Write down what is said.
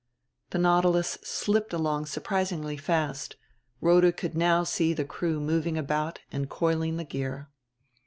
The Nautilus slipped along surprisingly fast. Rhoda could now see the crew moving about and coiling the gear.